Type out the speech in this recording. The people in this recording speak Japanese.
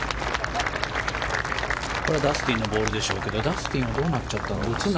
これはダスティンのボールでしょうけどダスティンはどうなったんだ